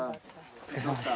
お疲れさまです。